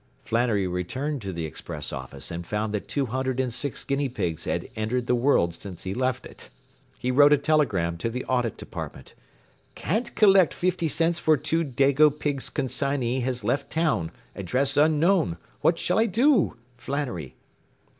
Flannery returned to the express office and found that two hundred and six guinea pigs had entered the world since he left it. He wrote a telegram to the Audit Department. “Can't collect fifty cents for two dago pigs consignee has left town address unknown what shall I do? Flannery.